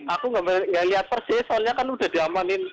aku nggak lihat persis soalnya kan udah diamanin